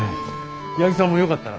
矢作さんもよかったら。